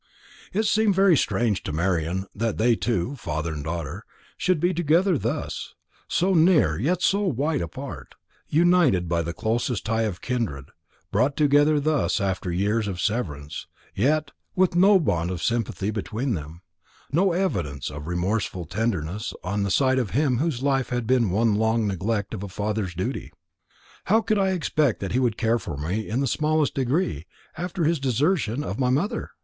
It seemed very strange to Marian that they two, father and daughter, should be together thus, so near and yet so wide apart; united by the closest tie of kindred, brought together thus after years of severance, yet with no bond of sympathy between them; no evidence of remorseful tenderness on the side of him whose life had been one long neglect of a father's duty. "How could I expect that he would care for me in the smallest degree, after his desertion of my mother?"